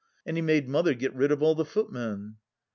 And he made Mother get rid of all the footmen